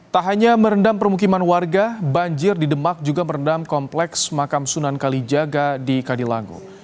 tak hanya merendam permukiman warga banjir di demak juga merendam kompleks makam sunan kalijaga di kadilango